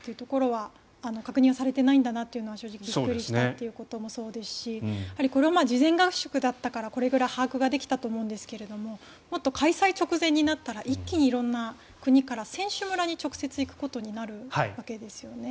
確認はされてないんだなというのはびっくりしたこともそうですしこれは事前合宿だったからこれぐらいで把握できたと思うんですがもっと開催直前になったら一気に色んな国から選手村に直接行くことになるわけですよね。